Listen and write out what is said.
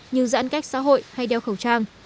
như giãn cách xã hội hay đeo khẩu trang